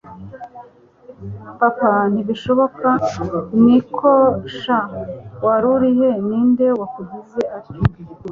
papa ntibishoboka, niko sha warurihe, ninde wakugize atyo!